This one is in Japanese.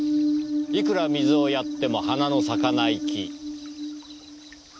いくら水をやっても花の咲かない木。